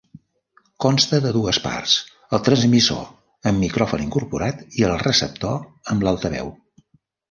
Consta de dues parts, el transmissor amb micròfon incorporat i el Receptor amb l'altaveu.